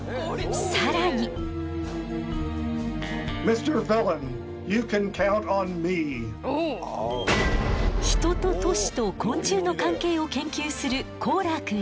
人と都市と昆虫の関係を研究するコーラーくんよ。